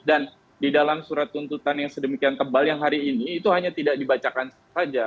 dan di dalam surat tuntutan yang sedemikian tebal yang hari ini itu hanya tidak dibacakan saja